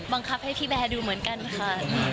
บังคับให้พี่แบร์ดูเหมือนกันค่ะ